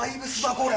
これ。